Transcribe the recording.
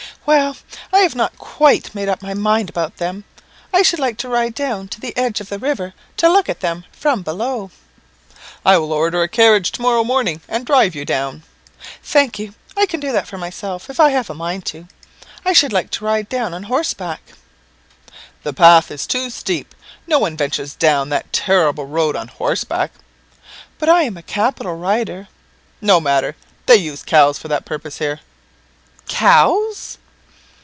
"Well, I have not quite made up my mind about them. I should like to ride down to the edge of the river to look at them from below." "I will order a carriage to morrow morning, and drive you down." "Thank you; I can do that for myself, if I have a mind to. I should like to ride down on horseback." "The path is too steep; no one ventures down that terrible road on horseback." "But I'm a capital rider." "No matter; they use cows for that purpose here." "Cows!"